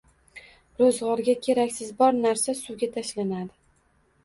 Ro‘zg‘orga keraksiz bor narsa suvga tashlanadi